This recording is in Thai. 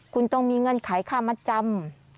คุณต้องมีเงินขายค่ามาจำ